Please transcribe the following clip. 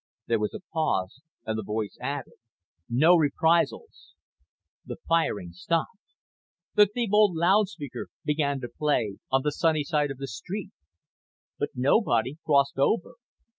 There was a pause, and the voice added: "No reprisals." The firing stopped. The Thebold loudspeaker began to play On the Sunny Side of the Street. But nobody crossed over.